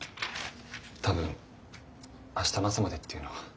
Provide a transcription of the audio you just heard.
多分明日の朝までっていうのは。